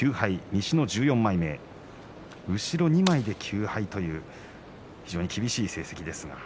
西の１４枚目後ろ２枚で９勝という厳しい成績です。